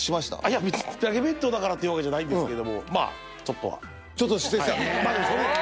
いや別に「だけ弁当」だからってわけじゃないんですけどもまあちょっとはちょっとは出世した？